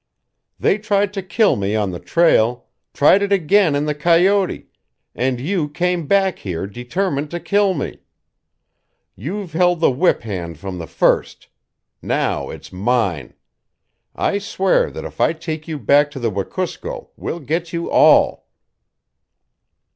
They tried to kill me on the trail, tried it again in the coyote, and you came back here determined to kill me. You've held the whip hand from the first. Now it's mine. I swear that if I take you back to the Wekusko we'll get you all."